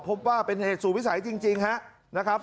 พบว่าเป็นเหตุสู่วิสัยจริงนะครับ